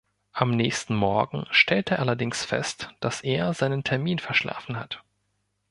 Am nächsten Morgen stellt er allerdings fest, dass er seinen Termin verschlafen hat.